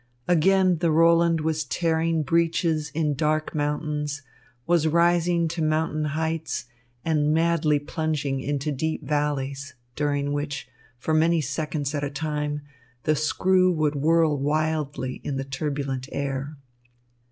Again the Roland was tearing breaches in dark mountains, was rising to mountain heights, and madly plunging into deep valleys; during which, for many seconds at a time, the screw would whirl wildly in the turbulent air.